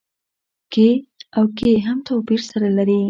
کې او کي هم توپير سره لري.